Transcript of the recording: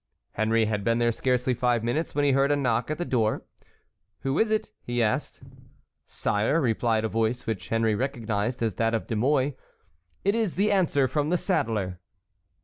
Henry had been there scarcely five minutes when he heard a knock at the door. "Who is it?" he asked. "Sire," replied a voice which Henry recognized as that of De Mouy, "it is the answer from the saddler."